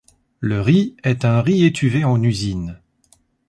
Le riz est un riz étuvé en usine.